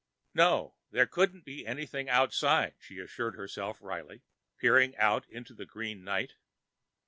No, there couldn't be anything outside, she assured herself wryly, peering out into the green night.